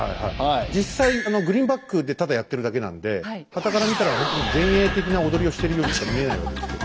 実際グリーンバックでただやってるだけなんではたから見たらほんとに前衛的な踊りをしてるようにしか見えないわけですけど。